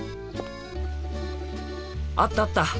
あったあった！